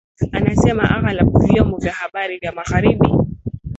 anasema aghalab vyombo vya habari vya magharibi